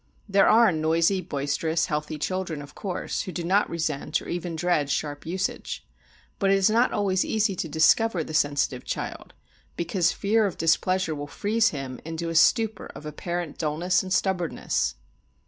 There are noisy, boisterous, healthy children, of course, who do not resent or even dread sharp usage. But it is not always easy to discover the sensitive child, because fear of displeasure will freeze him into a stupor of apparent dullness and stubbornness.